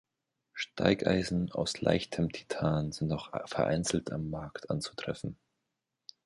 Steigeisen aus leichtem Titan sind auch vereinzelt am Markt anzutreffen.